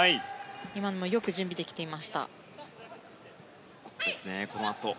今のもよく準備できていました。